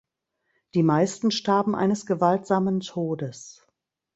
Die meisten starben eines gewaltsamen Todes.